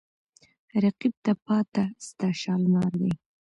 رقیب ته پاته ستا شالمار دی